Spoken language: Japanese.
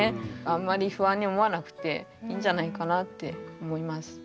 あんまり不安に思わなくていいんじゃないかなって思います。